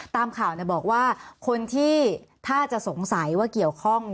ตามข่าวบอกว่าคนที่ถ้าจะสงสัยว่าเกี่ยวข้อง